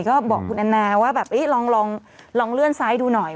ก็บอกคุณอนาว่าแบบอี้ลองเลื่อนซ้ายดูหน่อย